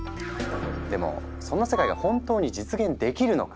でもそんな世界が本当に実現できるのか。